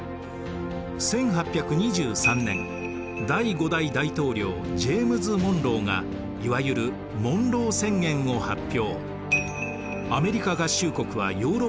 １８２３年第５代大統領ジェームズ・モンローがいわゆるモンロー宣言を発表。